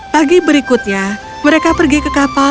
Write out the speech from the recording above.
pagi berikutnya mereka pergi ke kapal